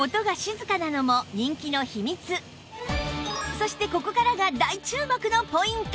そしてここからが大注目のポイント！